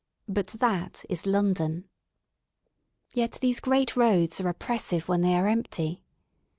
But that is London* Yet these great roads are oppressive when they are empty.